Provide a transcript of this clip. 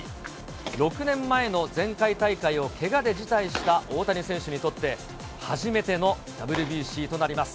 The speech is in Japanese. ６年前の前回大会をけがで辞退した大谷選手にとって、初めてのＷＢＣとなります。